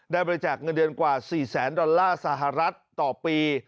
บริจาคเงินเดือนกว่า๔แสนดอลลาร์สหรัฐต่อปี